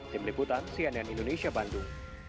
tim liputan cnn indonesia bandung